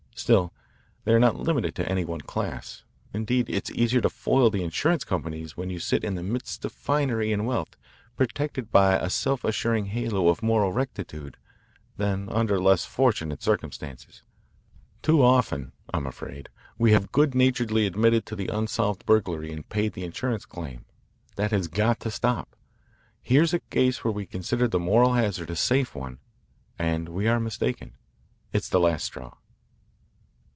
Still, they are not limited to any one class. Indeed, it is easier to foil the insurance companies when you sit in the midst of finery and wealth, protected by a self assuring halo of moral rectitude, than under less fortunate circumstances. Too often, I'm afraid, we have good naturedly admitted the unsolved burglary and paid the insurance claim. That has got to stop. Here's a case where we considered the moral hazard a safe one, and we are mistaken. It's the last straw."